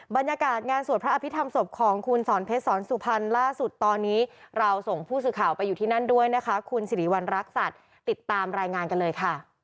บรรยากาศงานสวดพระอภิษฐรรมศพของคุณสอนเพชรสอนสุพรรณล่าสุดตอนนี้เราส่งผู้สื่อข่าวไปอยู่ที่นั่นด้วยนะคะคุณสิริวัณรักษัตริย์ติดตามรายงานกันเลยค่ะ